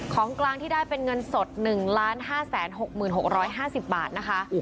ของกลางที่ได้เป็นเงินสด๑๕๖๖๕๐บาทนะคะ